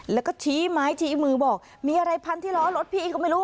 แล้วก็ชี้ไม้ชี้มือบอกมีอะไรพันที่ล้อรถพี่ก็ไม่รู้